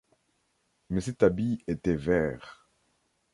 Mais cet habit était vert.